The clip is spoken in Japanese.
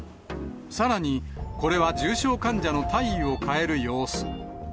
さらに、これは重症患者の体位を変える様子。